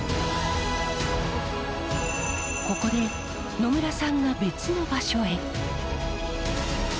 ここで乃村さんが別の場所へ。